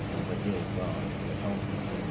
ทั้งประเทศก็ต้องส่งโทษ